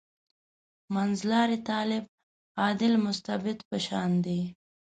منځلاری طالب «عادل مستبد» په شان دی.